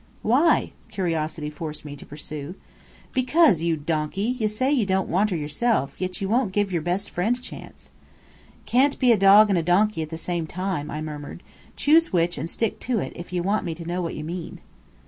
"Why?" curiosity forced me to pursue. "Because, you donkey, ye say ye don't want her yourself, yet ye won't give yer best friend a chance!" "Can't be a dog and a donkey at the same time," I murmured. "Choose which, and stick to it, if ye want me to know what ye mean."